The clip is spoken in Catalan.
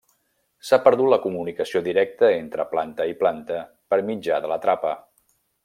S'ha perdut la comunicació directa entre planta i planta per mitjà de la trapa.